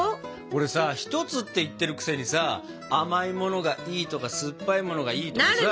これさ「ひとつ」って言ってるくせにさ甘いのものがいいとか酸っぱいものがいいとかさ。